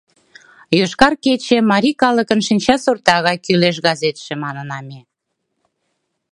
«Йошкар кече» — марий калыкын шинчасорта гай кӱлеш газетше, манына ме.